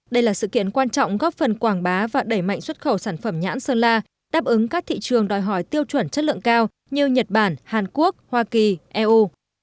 đây là sự kiện quan trọng góp phần quảng bá và đẩy mạnh xuất khẩu sản phẩm nhãn sơn la đáp ứng các thị trường đòi hỏi tiêu chuẩn chất lượng cao như nhật bản hàn quốc hoa kỳ eu